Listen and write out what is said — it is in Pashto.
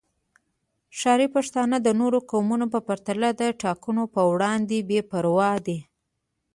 ښاري پښتانه د نورو قومونو په پرتله د ټاکنو پر وړاندې بې پروا دي